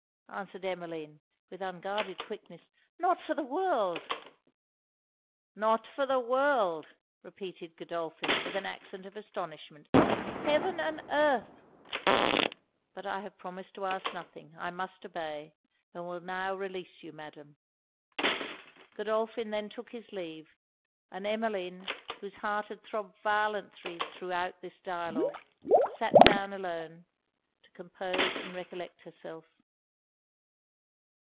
answered Emmeline, with unguarded quickness 'not for the world!' 'Not for the world!' repeated Godolphin, with an accent of astonishment. 'Heaven and earth! But I have promised to ask nothing I must obey and will now release you, Madam.' Godolphin then took his leave; and Emmeline, whose heart had throbbed violently throughout this dialogue, sat down alone to compose and recollect herself.